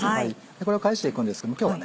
これを返していくんですけども今日はね